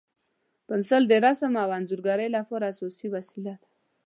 پنسل د رسم او انځورګرۍ لپاره اساسي وسیله ده.